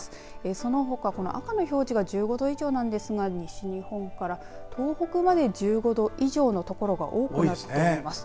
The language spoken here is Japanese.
そのほか赤の表示が１５度以上なんですが西日本から東北まで１５度以上の所が多くなっています。